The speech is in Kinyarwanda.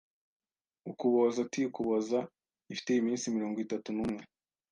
Ukuboza [T] Ukuboza ifite iminsi mirongo itatu n'umwe.